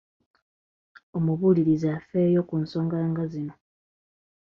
Omuluubirizi afeeyo ku nsonga nga zino